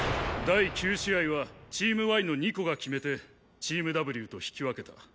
第９試合はチームＹの二子が決めてチームＷと引き分けた。